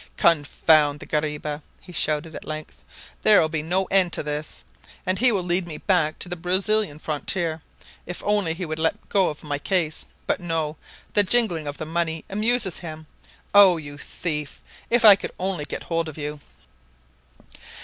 "Confound the guariba!" he shouted at length. "There will be no end to this, and he will lead me back to the Brazilian frontier. If only he would let go of my case! But no! The jingling of the money amuses him. Oh, you thief! If I could only get hold of you!"